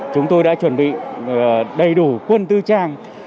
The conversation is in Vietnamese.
chúng tôi đã chuẩn bị đầy đủ quân tư trang